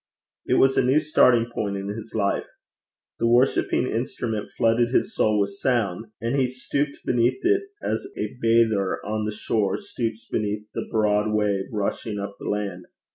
It was a new starting point in his life. The worshipping instrument flooded his soul with sound, and he stooped beneath it as a bather on the shore stoops beneath the broad wave rushing up the land.